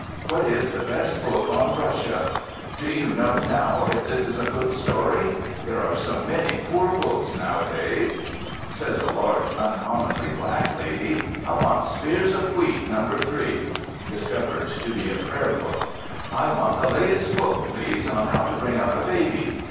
"What is the best book on Russia?" "Do you know, now, if this is a good story? there are so many poor books nowadays." Says a large, uncommonly black lady, "I want 'Spears of Wheat, No. 3.'" (Discovered to be a prayer book.) "I want the latest book, please, on how to bring up a baby."